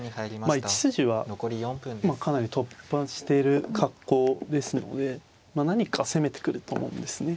１筋はかなり突破してる格好ですので何か攻めてくると思うんですね。